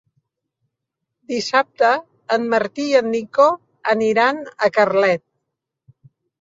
Dissabte en Martí i en Nico aniran a Carlet.